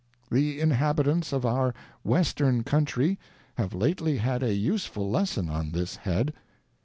ŌĆö The inhabitants of our Western country have lately had a use ful lesson on this head.